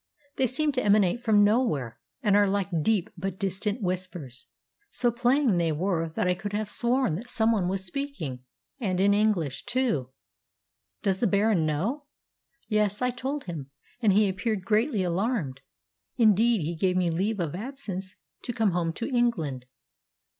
"They seem to emanate from nowhere, and are like deep but distant whispers. So plain they were that I could have sworn that some one was speaking, and in English, too!" "Does the baron know?" "Yes, I told him, and he appeared greatly alarmed. Indeed, he gave me leave of absence to come home to England."